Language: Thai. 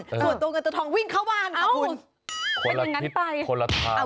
ส่วนตัวเงินตัวทองวิ่งเข้าบ้านค่ะคุณคนละพิษคนละทางเลย